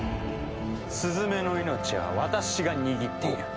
スズメの命は私が握っている。